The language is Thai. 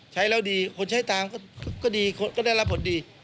ใช้แล้วดีคนใช้ตามก็ดีคนก็ได้รับผลดี